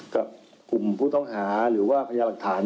กับกลุ่มผู้ต้องหาหรือว่าพยาหลักฐาน